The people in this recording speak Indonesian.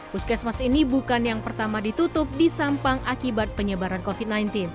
puskesmas ini bukan yang pertama ditutup di sampang akibat penyebaran covid sembilan belas